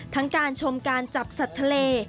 การชมการจับสัตว์ทะเล